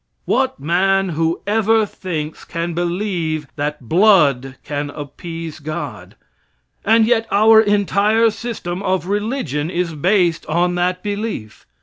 What man who ever thinks, can believe that blood can appease God? And yet our entire system of religion is based on that belief.